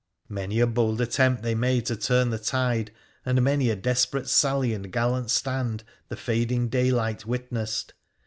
Many a bold attempt they made to turn the tide, and many a desperate sally and gallant stand the fading daylight witnessed.